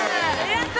やった！